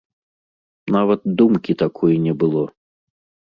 Нават думкі такой не было.